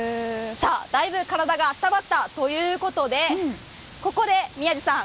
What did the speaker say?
だいぶ体が温まったということでここで宮司さん